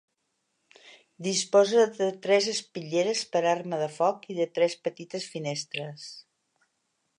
Disposa de tres espitlleres per arma de foc i de tres petites finestres.